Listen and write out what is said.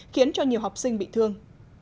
khiến cho nhiều học sinh bị thương